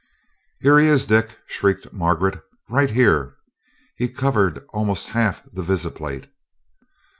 "Here he is, Dick!" shrieked Margaret. "Right here he covered almost half the visiplate!"